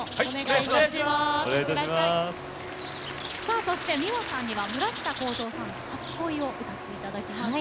そしてｍｉｗａさんには村下孝蔵さんの「初恋」を歌っていただきます。